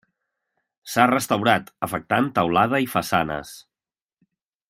S'ha restaurat, afectant teulada i façanes.